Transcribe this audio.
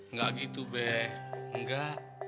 nggak gitu be nggak